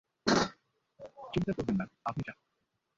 চিন্তা করবেন না, আপনি যান।